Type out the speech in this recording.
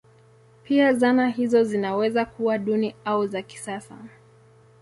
Pia zana hizo zinaweza kuwa duni au za kisasa.